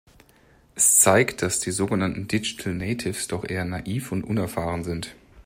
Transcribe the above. Es zeigt, dass die sogenannten Digital Natives doch eher naiv und unerfahren sind.